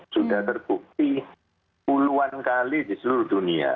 sudah terbukti puluhan kali di seluruh dunia